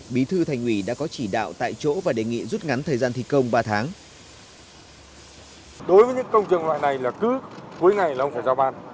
bí thư thành ủy đã có chỉ đạo tại chỗ và đề nghị rút ngắn thời gian thi công ba tháng